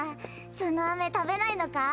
その食べないのか？